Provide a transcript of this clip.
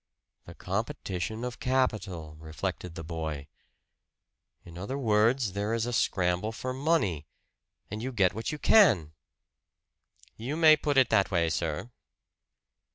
"The competition of capital," reflected the boy. "In other words, there is a scramble for money, and you get what you can!" "You may put it that way, sir."